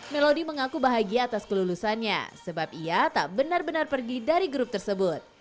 melodi mengaku bahagia atas kelulusannya sebab ia tak benar benar pergi dari grup tersebut